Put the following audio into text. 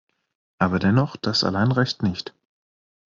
Aber dennoch, das allein reicht nicht.